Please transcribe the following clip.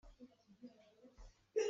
Mi phe a si.